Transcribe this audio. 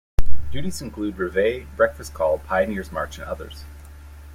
Duties include reveille, breakfast call, pioneer's march and others.